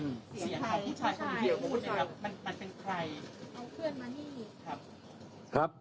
สีขาดของผู้ชายที่พูดมันเป็นใคร